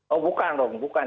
oh bukan dong bukan